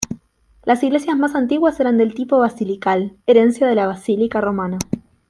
Las iglesias más antiguas eran del tipo basilical, herencia de la basílica romana.